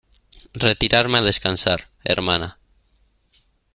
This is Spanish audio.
retirarme a descansar, hermana.